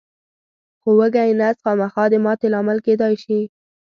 خو وږی نس خامخا د ماتې لامل کېدای شي.